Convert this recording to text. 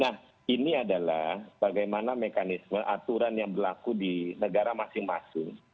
nah ini adalah bagaimana mekanisme aturan yang berlaku di negara masing masing